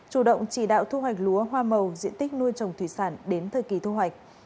chủ động chỉ đạo thu hoạch lúa hoa màu diện tích nuôi trồng thủy sản đến thời kỳ thu hoạch